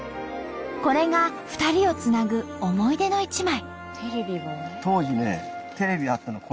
これが２人をつなぐ思い出の一枚。